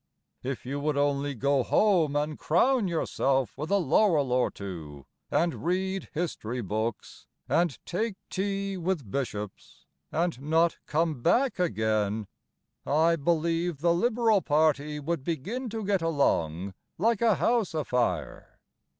If you would only go home and crown yourself with a laurel or two, And read history books, and take tea with bishops And not come back again, I believe the Liberal party Would begin to get along like a house afire.